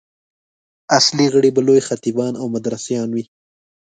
اصلي غړي به لوی خطیبان او مدرسان وي.